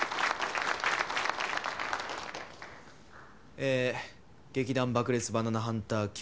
え劇団爆裂バナナハンターＱ